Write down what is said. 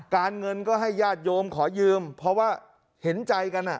เงินก็ให้ญาติโยมขอยืมเพราะว่าเห็นใจกัน